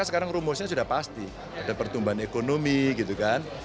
sekarang rumusnya sudah pasti ada pertumbuhan ekonomi gitu kan